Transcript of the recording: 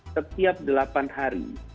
setiap delapan hari